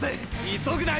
急ぐなよ！！